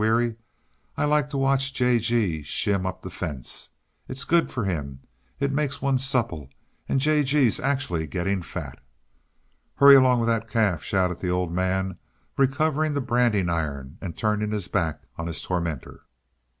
Weary? I like to watch J. G. shin up the fence. It's good for him; it makes one supple, and J. G.'s actually getting fat." "Hurry along with that calf!" shouted the Old Man, recovering the branding iron and turning his back on his tormentor.